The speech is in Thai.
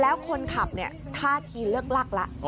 แล้วคนขับเนี่ยท่าทีเลิกลักละ